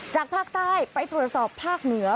จากภาคใต้ไปตรวจสอบภาคเหนือ